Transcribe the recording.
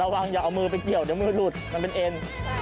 วังอย่าเอามือไปเกี่ยวเดี๋ยวมือหลุดมันเป็นเอ็น